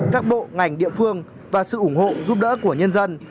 các bộ ngành địa phương và sự ủng hộ giúp đỡ của nhân dân